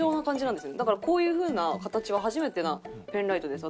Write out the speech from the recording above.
だからこういうふうな形は初めてなペンライトです